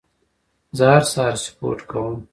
زه هر سهار سپورت کوم.